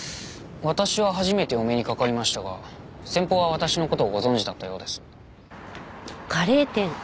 私は初めてお目にかかりましたが先方は私の事をご存じだったようです。